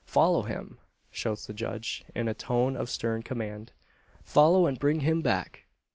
"Follow him!" shouts the judge, in a tone of stern command. "Follow, and bring him back!"